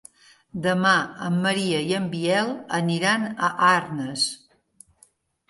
Demà en Maria i en Biel aniran a Arnes.